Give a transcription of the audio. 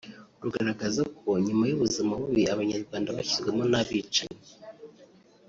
rugaragaza ko nyuma y’ubuzima bubi Abanyarwanda bashyizwemo n’abicanyi